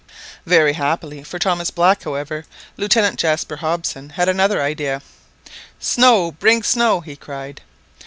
Very happily for Thomas Black, however, Lieutenant Jaspar Hobson had another idea. "Snow, bring snow!" he cried.